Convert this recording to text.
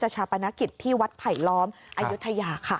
ชาปนกิจที่วัดไผลล้อมอายุทยาค่ะ